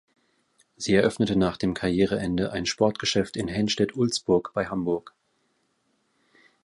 Sie eröffnete nach dem Karriereende ein Sportgeschäft in Henstedt-Ulzburg bei Hamburg.